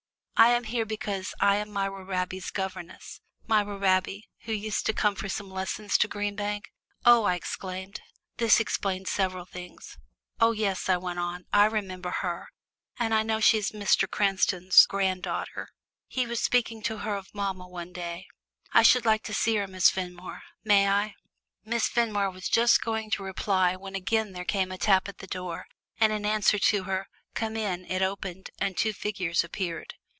I am here because I am Myra Raby's governess Myra Raby, who used to come for some lessons to Green Bank." "Oh!" I exclaimed. This explained several things. "Oh yes," I went on, "I remember her, and I know she's Mr. Cranston's grand daughter he was speaking of her to mamma one day. I should like to see her, Miss Fenmore. May I?" Miss Fenmore was just going to reply when again there came a tap at the door, and in answer to her "Come in" it opened and two figures appeared.